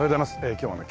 今日はね